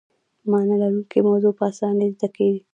معنی لرونکې موضوع په اسانۍ زده کیږي.